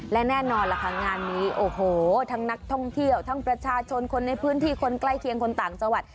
และแน่นอนล่ะค่ะงานนี้โอ้โหทั้งนักท่องเที่ยวทั้งประชาชนคนในพื้นที่คนใกล้เคียงคนต่างจังหวัด